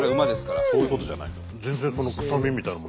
そういうことじゃない。